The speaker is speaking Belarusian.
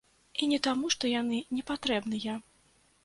І не таму, што яны не патрэбныя.